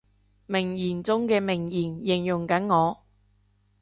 名言中嘅名言，形容緊我